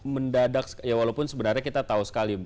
mendadak ya walaupun sebenarnya kita tahu sekali